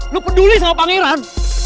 lu peduli sama pangeran